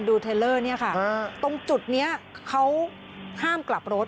เทลเลอร์เนี่ยค่ะตรงจุดนี้เขาห้ามกลับรถ